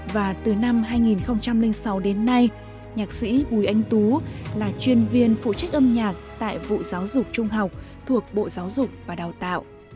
và từ năm hai nghìn sáu đến nay nhạc sĩ bùi anh tú là chuyên viên phụ trách âm nhạc tại vụ giáo dục trung học thuộc bộ giáo dục và đào tạo